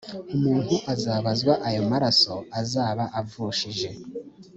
umuntu azabazwa ayo maraso azaba avushije